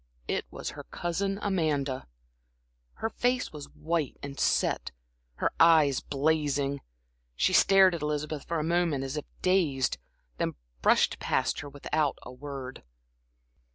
It was her cousin Amanda. Her face was white and set, her eyes blazing. She stared at Elizabeth for a moment as if dazed, then brushed past her without a word.